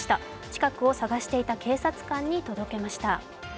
近くを探していた警察官に届けました。